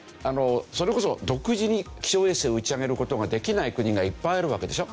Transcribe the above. それこそ独自に気象衛星を打ち上げる事ができない国がいっぱいあるわけでしょ。